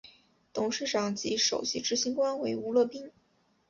董事长及首席执行官为吴乐斌。